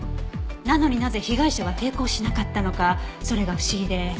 なのになぜ被害者は抵抗しなかったのかそれが不思議で。